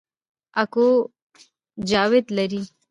اکو جاوید لري